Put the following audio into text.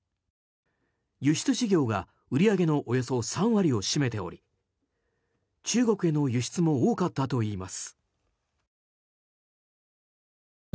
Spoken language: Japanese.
輸出事業が売り上げのおよそ３割を占めており中国への輸出も多かったといいます。